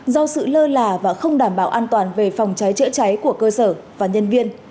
do sự lơ là và không đảm bảo an toàn về phòng cháy chữa cháy của cơ sở và nhân viên